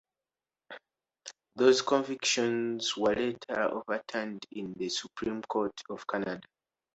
Those convictions were later overturned in the Supreme Court of Canada.